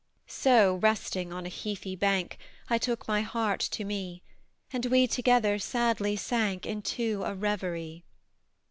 So, resting on a heathy bank, I took my heart to me; And we together sadly sank Into a reverie.